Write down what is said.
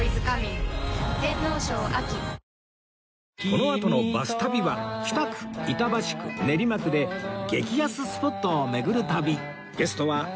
このあとの『バス旅』は北区板橋区練馬区で激安スポットを巡る旅